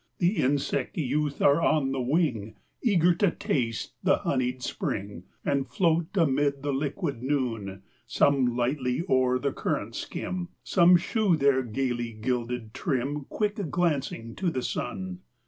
The insect youth are on the wing, Eager to taste the honied spring And float amid the liquid noon: Some lightly o'er the current skim, Some show their gaily gilded trim Quick glancing to the sun.